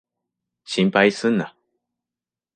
心配すんな。